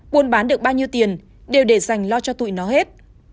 buôn bán được bao nhiêu tiền đều để dành lo cho tụi nó hết